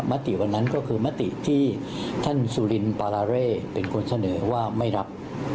ติวันนั้นก็คือมติที่ท่านสุรินปาราเร่เป็นคนเสนอว่าไม่รับ